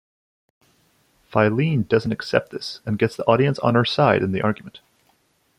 Phileine doesn't accept this and gets the audience on her side in the argument.